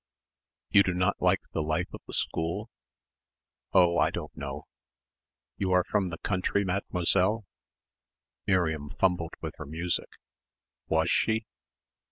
"You do not like the life of the school?" "Oh, I don't know." "You are from the country, mademoiselle." Miriam fumbled with her music.... Was she?